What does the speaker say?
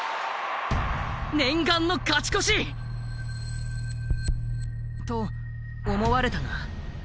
念願の勝ち越し！と思われたが。